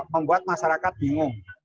membuat masyarakat bingung